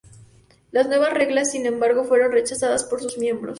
Las nuevas reglas, sin embargo, fueron rechazadas por sus miembros.